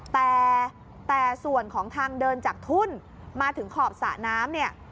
แต่ส่วนของทางเดินจากทุ่นมาถึงขอบสระน้ำเนี่ย